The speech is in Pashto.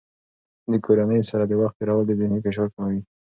د کورنۍ سره د وخت تېرول د ذهني فشار کموي.